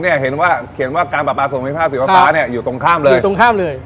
ส่วนผิดผ้าศูนย์ฟ้าฟ้าเนี่ยอยู่ตรงข้ามเลย